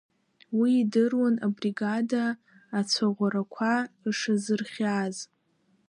Уи идыруан абригада ацәаӷәарақәа ишазырхиаз.